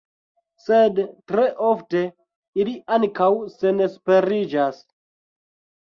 Sed tre ofte ili ankaŭ senesperiĝas.